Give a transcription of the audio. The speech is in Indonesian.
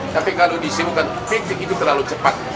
tapi kalau disimulkan fiktif itu terlalu cepat